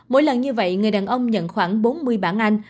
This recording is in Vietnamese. mỗi lần như vậy người đàn ông nhận khoảng bốn mươi bản anh